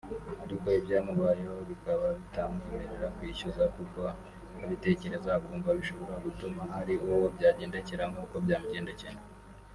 ariko ibyamubayeho bikaba bitamwemerera kwishyuza kuko abitekereza akumva bishobora gutuma hari uwo byagendekera nk’uko byamugendekeye